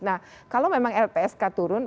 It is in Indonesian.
nah kalau memang lpsk turun